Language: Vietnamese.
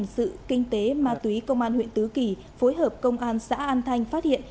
sự kinh tế ma túy công an huyện tứ kỳ phối hợp công an xã an thanh phát hiện